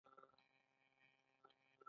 لومړنی حیوان چې انسان اهلي کړ سپی و.